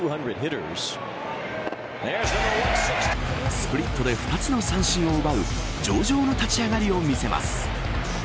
スプリットで２つの三振を奪う上々の立ち上がりを見せます。